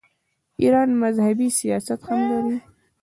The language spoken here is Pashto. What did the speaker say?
ایران مذهبي سیاحت هم لري.